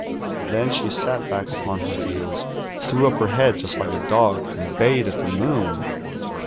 Then she sat back upon her heels, tluvw up her head, just hko a dog, and 130 THE GHOUL bayed at the moon.